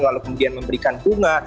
lalu kemudian memberikan bunga